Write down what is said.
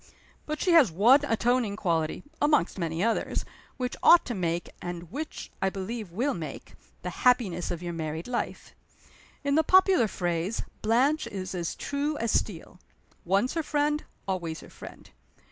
"But she has one atoning quality (among many others) which ought to make and which I believe will make the happiness of your married life. In the popular phrase, Blanche is as true as steel. Once her friend, always her friend.